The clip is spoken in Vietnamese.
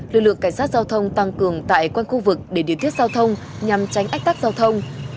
lực lượng cảnh sát giao thông tăng cường tại quanh khu vực để điều thiết giao thông nhằm tránh ách tắc giao thông